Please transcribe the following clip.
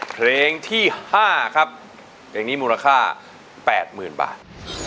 เพลงที่ห้าครับเพลงนี้มูลค่าแปดหมื่นบาท